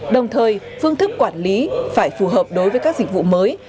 đồng thời phương thức quản lý phải phù hợp đối với các dịch vụ mới